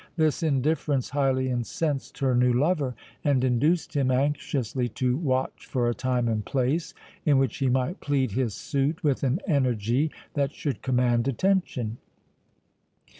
This indifference highly incensed her new lover, and induced him anxiously to watch for a time and place, in which he might plead his suit with an energy that should command attention.